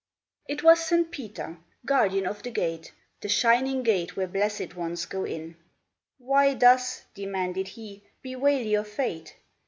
It was Saint Peter, guardian of the gate, The shining gate where blessed ones go in. " Why thus," demanded he, " bewail your fate?